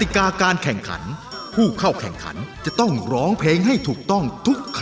รายการต่อไปนี้เป็นรายการทั่วไปสามารถรับชมได้ทุกวัย